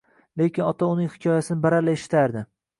Lekin ota uning hikoyasini baralla eshitardi.